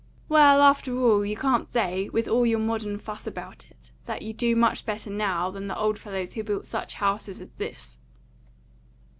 "Well, after all, you can't say, with all your modern fuss about it, that you do much better now than the old fellows who built such houses as this."